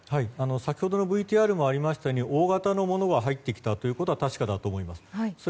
先ほどＶＴＲにもありましたとおり大型のものが入ってきたことは確かだと思います。